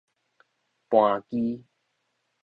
盤機